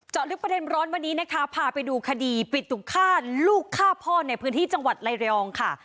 ลึกประเด็นร้อนวันนี้นะคะพาไปดูคดีปิดตุงฆ่าลูกฆ่าพ่อในพื้นที่จังหวัดลายรองค่ะ